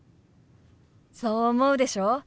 そう思うでしょ？